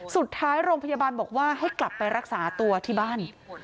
สุดท้ายโรงพยาบาลบอกว่าให้กลับไปรักษาตัวที่บ้าน